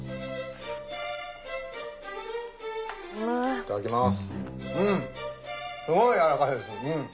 いただきます。